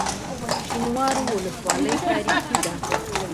شینوارو ولسوالۍ تاریخي ده؟